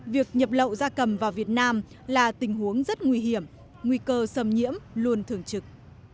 việc nhập lậu da cầm vào việt nam là tình huống rất nguy hiểm nguy cơ xâm nhiễm luôn thường trực